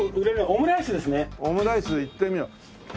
オムライスいってみよう。